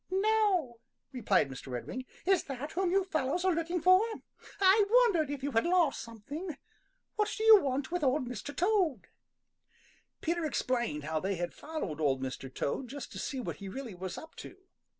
"No," replied Mr. Redwing. "Is that whom you fellows are looking for? I wondered if you had lost something. What do you want with Old Mr. Toad?" Peter explained how they had followed Old Mr. Toad just to see what he really was up to.